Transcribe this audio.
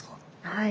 はい。